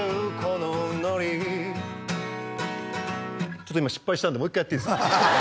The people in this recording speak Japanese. ちょっと今失敗したんでもう一回やっていいですか？